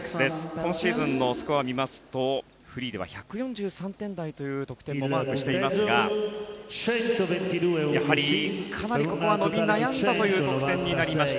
今シーズンのスコアを見ますとフリーでは１４３点台という得点もマークしていますがやはりかなりここは伸び悩んだという得点になりました。